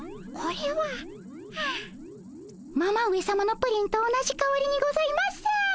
はあママ上さまのプリンと同じかおりにございます。